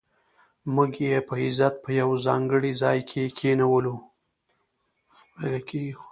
موږ یې په عزت په یو ځانګړي ځای کې کېنولو.